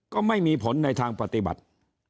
ก็ไม่มีผลในทางปฏิบัติ